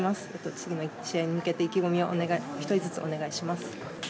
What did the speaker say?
次の試合に向けて意気込みを１人ずつ、お願いします。